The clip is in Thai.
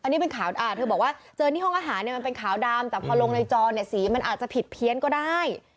อันนี้เป็นข่าวเธอบอกว่าเจอที่ห้องอาหารเนี่ยมันเป็นขาวดำแต่พอลงในจอเนี่ยสีมันอาจจะผิดเพี้ยนก็ได้